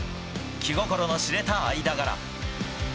気心の知れた間柄。